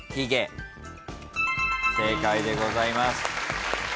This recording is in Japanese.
正解でございます。